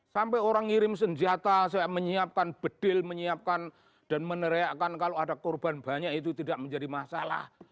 sampai orang ngirim senjata saya menyiapkan bedil menyiapkan dan meneriakan kalau ada korban banyak itu tidak menjadi masalah